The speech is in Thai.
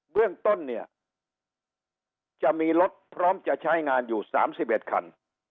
เบื้องต้นเนี่ยจะมีรถพร้อมจะใช้งานอยู่สามสิบเอ็ดคัน